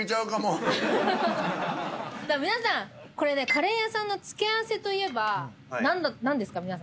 皆さんカレー屋さんの付け合わせといえば何ですか？